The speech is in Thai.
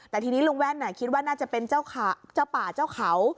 แต่ทีนี้ลุงแว่นคิดว่าน่าจะเป็นเจ้าป่าเจ้าเขา